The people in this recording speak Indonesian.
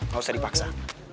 gak usah dipaksa